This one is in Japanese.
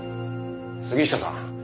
杉下さん